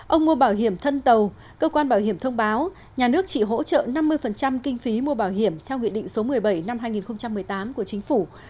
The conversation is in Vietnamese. ông mua bảo hiểm thân tàu cơ quan bảo hiểm thông báo nhà nước chỉ hỗ trợ năm mươi kinh phí mua bảo hiểm theo nghị định số một mươi bảy năm hai nghìn một mươi tám của chính phủ